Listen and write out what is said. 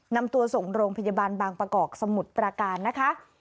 นำตัวส่งโรงพยาบาลบางประกอบสมุทรประการนะคะ